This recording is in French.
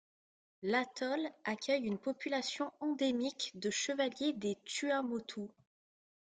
L'atoll accueille une population endémique de Chevaliers des Tuamotu.